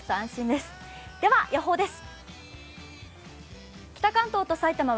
では、予報です。